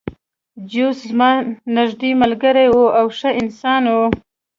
جوزف زما نږدې ملګری و او ښه انسان و